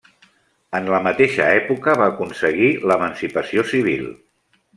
En la mateixa època va aconseguir l'emancipació civil.